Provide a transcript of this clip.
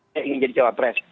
saya ingin jadi cawapres